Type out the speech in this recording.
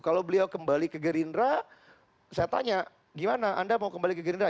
kalau beliau kembali ke gerindra saya tanya gimana anda mau kembali ke gerindra